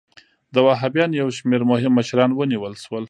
د وهابیانو یو شمېر مهم مشران ونیول شول.